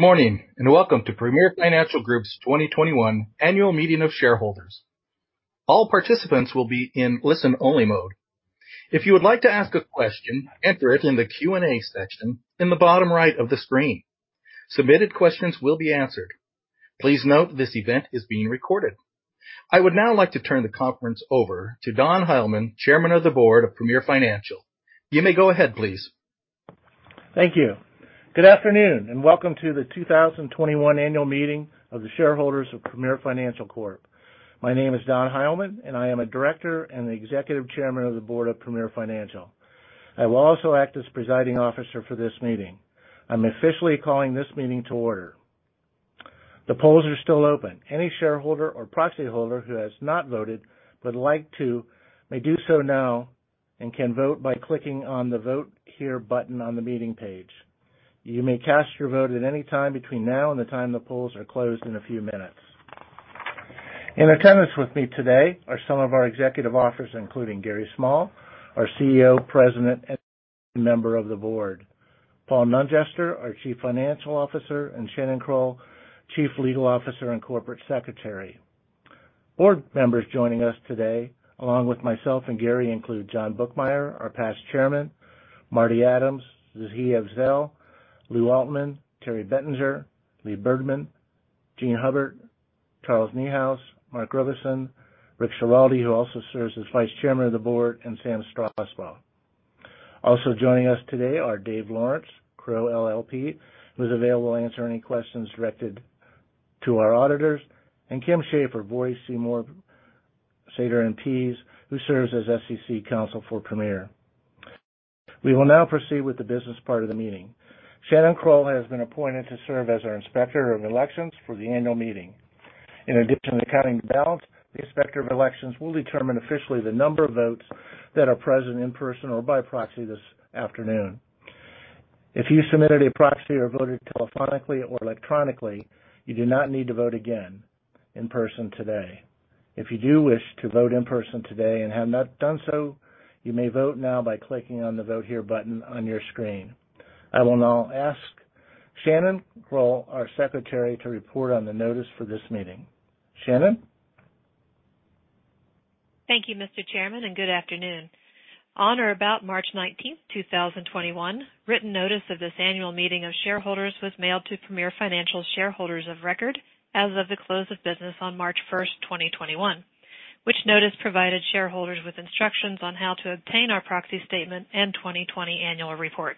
Good morning. Welcome to Premier Financial Group's 2021 annual meeting of shareholders. All participants will be in listen-only mode. If you would like to ask a question, enter it in the Q&A section in the bottom right of the screen. Submitted questions will be answered. Please note this event is being recorded. I would now like to turn the conference over to Donald P. Hileman, Chairman of the Board of Premier Financial. You may go ahead, please. Thank you. Good afternoon, and welcome to the 2021 annual meeting of the shareholders of Premier Financial Corp. My name is Donald P. Hileman, I am a director and the Executive Chairman of the board of Premier Financial. I will also act as presiding officer for this meeting. I'm officially calling this meeting to order. The polls are still open. Any shareholder or proxy holder who has not voted but like to may do so now and can vote by clicking on the Vote Here button on the meeting page. You may cast your vote at any time between now and the time the polls are closed in a few minutes. In attendance with me today are some of our executive officers, including Gary Small, our CEO, President, and member of the board, Paul Nungester, our Chief Financial Officer, and Shannon M. Kuhl, Chief Legal Officer and Corporate Secretary. Board members joining us today, along with myself and Gary M. Small, include John L. Bookmyer, our past Chairman. Marty E. Adams, Zahid Afzal, Louis M. Altman, Terri A. Bettinger, Lee J. Burdman, Jean A. Hubbard, Charles W. Niehaus, Mark A. Robison, Richard L. Schiraldi, who also serves as Vice Chairman of the Board, and Samuel S. Strausbaugh. Also joining us today are Dave Lawrence, Crowe LLP, who is available to answer any questions directed to our auditors, and Kimberly J. Schaefer, Vorys, Sater, Seymour and Pease LLP, who serves as SEC Counsel for Premier. We will now proceed with the business part of the meeting. Shannon M. Kuhl has been appointed to serve as our Inspector of Elections for the annual meeting. In addition to counting ballots, the Inspector of Elections will determine officially the number of votes that are present in person or by proxy this afternoon. If you submitted a proxy or voted telephonically or electronically, you do not need to vote again in person today. If you do wish to vote in person today and have not done so, you may vote now by clicking on the Vote Here button on your screen. I will now ask Shannon M. Kuhl, our Secretary, to report on the notice for this meeting. Shannon M. Kuhl? Thank you, Mr. Chairman, and good afternoon. On or about March 19th, 2021, written notice of this annual meeting of shareholders was mailed to Premier Financial shareholders of record as of the close of business on March 1st, 2021. Which notice provided shareholders with instructions on how to obtain our proxy statement and 2020 annual report.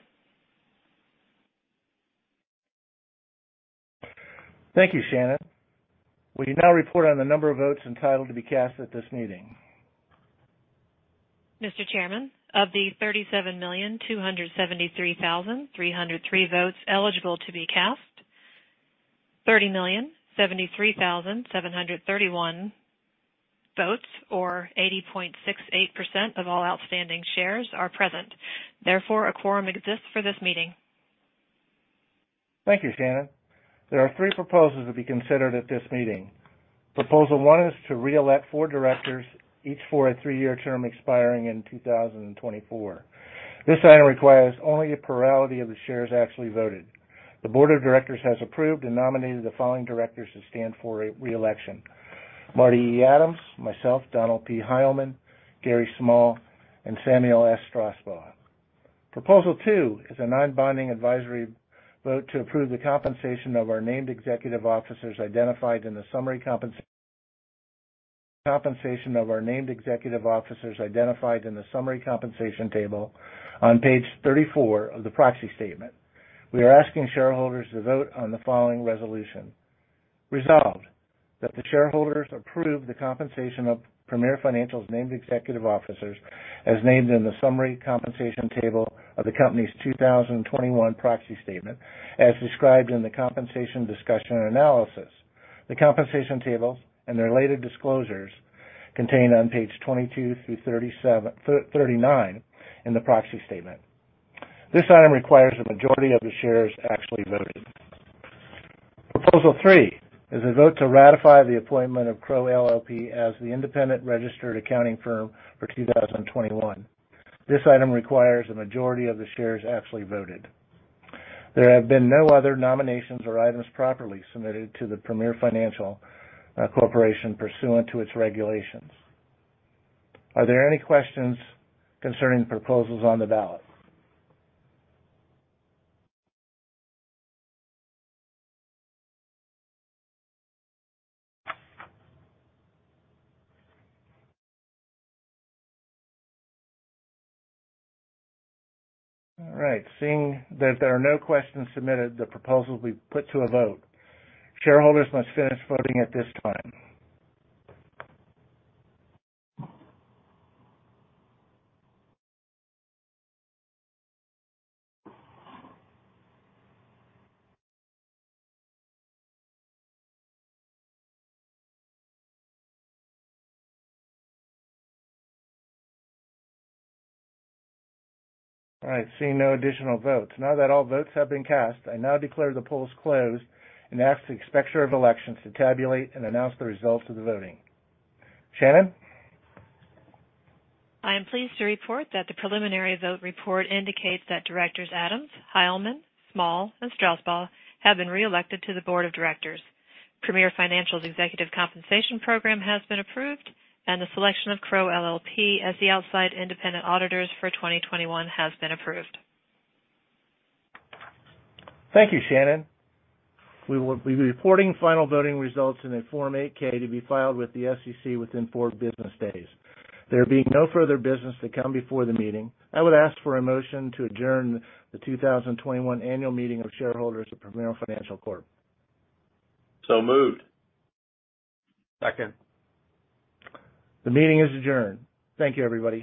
Thank you, Shannon. Will you now report on the number of votes entitled to be cast at this meeting? Mr. Chairman, of the 37,273,303 votes eligible to be cast, 30,073,731 votes, or 80.68% of all outstanding shares are present. Therefore, a quorum exists for this meeting. Thank you, Shannon M. Kuhl. There are three proposals to be considered at this meeting. Proposal one is to reelect four directors, each for a three-year term expiring in 2024. This item requires only a plurality of the shares actually voted. The board of directors has approved and nominated the following directors to stand for reelection. Marty E. Adams, myself, Donald P. Hileman, Gary Small, and Samuel S. Strausbaugh. Proposal two is a non-binding advisory vote to approve the compensation of our named executive officers identified in the summary compensation table on page 34 of the proxy statement. We are asking shareholders to vote on the following resolution. Resolved, that the shareholders approve the compensation of Premier Financial's named executive officers as named in the summary compensation table of the company's 2021 proxy statement, as described in the compensation discussion and analysis. The compensation tables and their related disclosures contained on page 22 through 39 in the proxy statement. This item requires a majority of the shares actually voted. Proposal three is a vote to ratify the appointment of Crowe LLP as the independent registered accounting firm for 2021. This item requires a majority of the shares actually voted. There have been no other nominations or items properly submitted to the Premier Financial Corporation pursuant to its regulations. Are there any questions concerning the proposals on the ballot? All right. Seeing that there are no questions submitted, the proposals will be put to a vote. Shareholders must finish voting at this time. All right. Seeing no additional votes. Now that all votes have been cast, I now declare the polls closed and ask the inspector of elections to tabulate and announce the results of the voting. Shannon? I am pleased to report that the preliminary vote report indicates that Directors Adams, Hileman, Small, and Strausbaugh have been reelected to the board of directors. Premier Financial's executive compensation program has been approved. The selection of Crowe LLP as the outside independent auditors for 2021 has been approved. Thank you, Shannon. We will be reporting final voting results in a Form 8-K to be filed with the SEC within four business days. There being no further business to come before the meeting, I would ask for a motion to adjourn the 2021 annual meeting of shareholders of Premier Financial Corp. Moved. Second. The meeting is adjourned. Thank you, everybody.